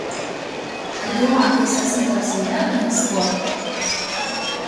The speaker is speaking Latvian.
Tu domā, ka es esmu tavs ienaidnieks, ko?